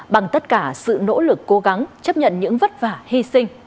bằng tất cả sự nỗ lực cố gắng chấp nhận những vất vả hy sinh